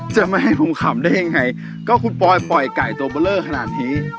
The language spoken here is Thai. จะไม่ให้ผมขำได้ยังไงก็คุณปอยปล่อยไก่ตัวเบอร์เลอร์ขนาดนี้